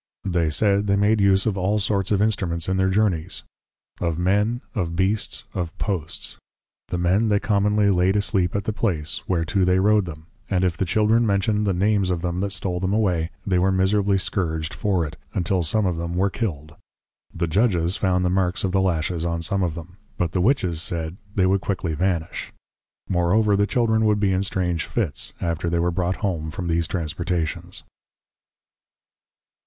They said, they made use of all sorts of \Instruments\ in their Journeys! Of \Men\, of \Beasts\, of \Posts\; the Men they commonly laid asleep at the place, whereto they rode them; and if the children mentioned the \Names\ of them that stole them away, they were miserably \Scurged\ for it, until some of them were killed. The \Judges\ found the marks of the Lashes on some of them; but the Witches said, \They would Quickly vanish\. Moreover the Children would be in \strange Fits\, after they were brought Home from these Transportations.